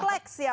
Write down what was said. kompleks ya pak